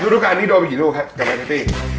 ดูการที่โดดไปกี่รูปแม่ตี้